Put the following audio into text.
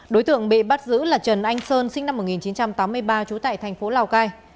đối tượng bị bắt giữ là trần anh sơn sinh năm một nghìn chín trăm tám mươi ba trú tại thành phố lào cai